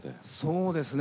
そうですね。